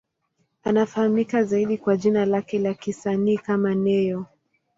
Anafahamika zaidi kwa jina lake la kisanii kama Ne-Yo.